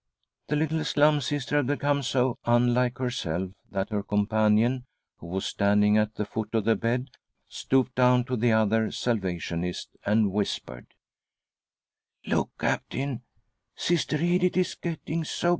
■"• The little Slum Sister had become so unlike herself that her companion, who was standing at the foot of the bed, stooped down to the other Salvationist, and whispered :'";'•:" Look, Captain, Sister Edith is getting so